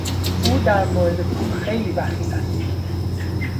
او در مورد پول خیلی بخیل است.